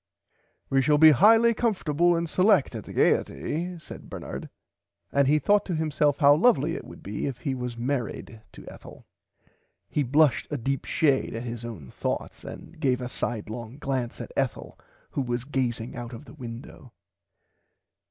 We shall be highly comfortable and select at the Gaierty said Bernard and he thourght to himself how lovly it would be if he was married to Ethel. He blushed a deep shade at his own thourghts and gave a side long glance at Ethel who was gazing out of the window.